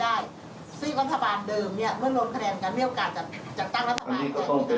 ซึ่งรัฐบาลเดิมเนี่ยเมื่อโน้นคะแนนกันไม่โอกาสจะตั้งรัฐบาล